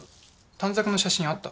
短冊の写真あった？